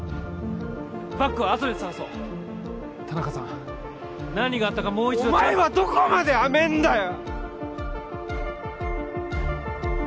バッグはあとで捜そう田中さん何があったかもう一度お前はどこまで甘えんだよ！